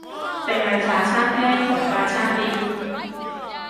定係茶餐廳同快餐店？